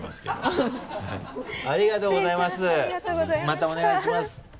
またお願いします。